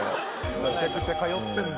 めちゃくちゃ通ってんだ。